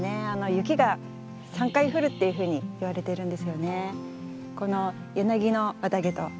雪が３回降るっていうふうにいわれているんですよね。